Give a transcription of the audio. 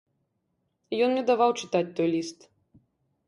Ён мне даваў чытаць той ліст.